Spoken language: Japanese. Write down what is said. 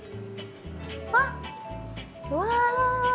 あっうわ！